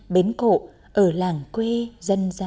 bến cổ ở làng quê dân dã